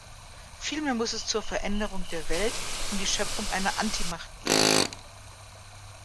Vielmehr muss es zur Veränderung der Welt um die Schöpfung einer Anti-Macht gehen.